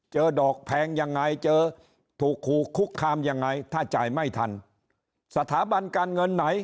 เจอดอกแพงยังไงเจอถูกคู่คุกคามยังไงถ้าจ่ายไม่ทัน